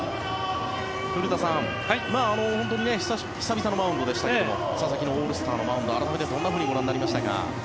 古田さん、本当に久々のマウンドでしたけども佐々木のオールスターのマウンド改めてどんなふうにご覧になりましたか。